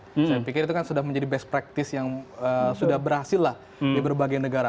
saya pikir itu kan sudah menjadi best practice yang sudah berhasil lah di berbagai negara